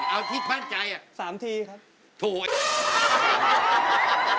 เอาที่พันกายน่ะ๓ทีครับ